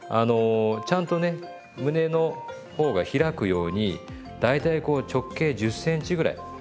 ちゃんとね胸の方が開くように大体こう直径１０ｃｍぐらい。